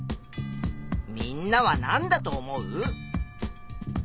みんなは何だと思う？